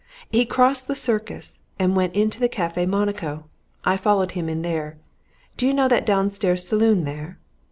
He crossed the Circus, and went into the Café Monico. I followed him in there. Do you know that downstairs saloon there?"